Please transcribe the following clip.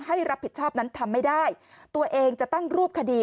ให้รับผิดชอบนั้นทำไม่ได้ตัวเองจะตั้งรูปคดี